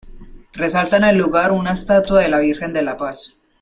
Resalta en el lugar una estatua de la Virgen de la Paz.